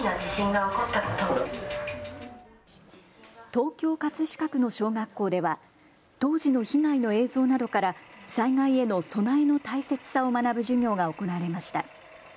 東京葛飾区の小学校では当時の被害の映像などから災害への備えの大切さを学ぶ授業が行われました。